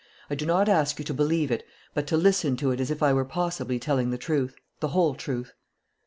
I do not ask you to believe it, but to listen to it as if I were possibly telling the truth, the whole truth."